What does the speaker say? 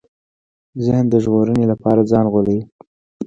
ذهن د ژغورنې لپاره ځان غولوي.